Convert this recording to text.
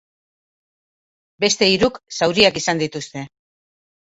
Beste hiruk zauriak izan dituzte.